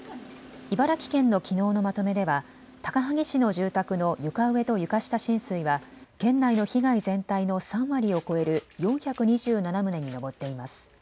茨城県のきのうのまとめでは高萩市の住宅の床上と床下浸水は県内の被害全体の３割を超える４２７棟に上っています。